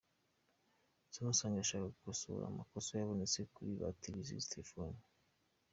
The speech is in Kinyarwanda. Samsung irashaka gukosora amakosa yabonetse kuri batiri z'izi telefone.